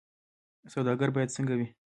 سوداګر باید څنګه وي؟